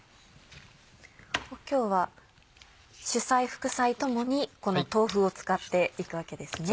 今日は主菜副菜共にこの豆腐を使っていくわけですね。